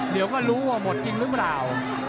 เดี๋ยวก็รู้ว่าหมดจริงหรือเปล่า